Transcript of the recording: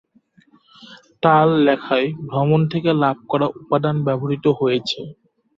তার লেখায় ভ্রমণ থেকে লাভ করা উপাদান ব্যবহৃত হয়েছে।